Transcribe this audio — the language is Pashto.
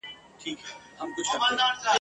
د میرې څپېړه د اور لمبه ده ..